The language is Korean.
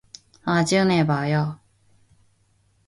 나중에 봐요.